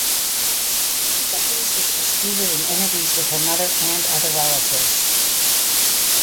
This abuse was disputed in interviews with her mother and other relatives.